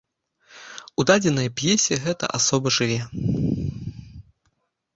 У дадзенай п'есе гэта асоба жыве.